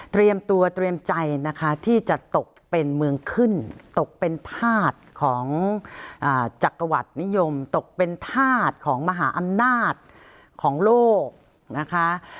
ตัวเตรียมใจนะคะที่จะตกเป็นเมืองขึ้นตกเป็นธาตุของจักรวรรดินิยมตกเป็นธาตุของมหาอำนาจของโลกนะคะ